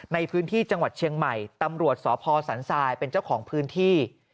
ในพื้นที่จังหวัดเชียงใหม่ตำรวจสพสันทรายเป็นเจ้าของพื้นที่